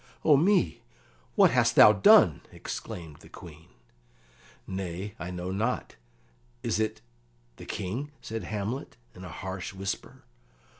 "O me, what hast thou done?" exclaimed the Queen. "Nay, I know not. Is it the King?" said Hamlet, in a harsh whisper.